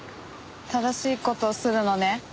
正しい事をするのね？